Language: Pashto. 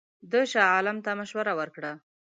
ده شاه عالم ته مشوره ورکړه.